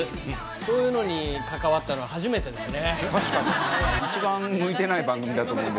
こういうのに関わったのは初めてですね。